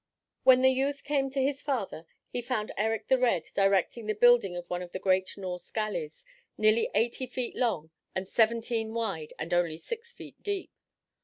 When the youth came to his father, he found Erik the Red directing the building of one of the great Norse galleys, nearly eighty feet long and seventeen wide and only six feet deep.